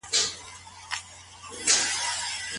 د نکاح پای ته رسيدل څه معنی لري؟